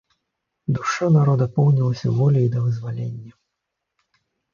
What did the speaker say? Душа народа поўнілася воляй да вызвалення.